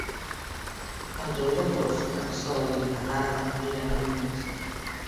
El deu d'agost en Sol i na Lara aniran al metge.